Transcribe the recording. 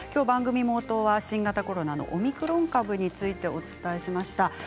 番組冒頭は新型コロナのオミクロン株についてお伝えしました。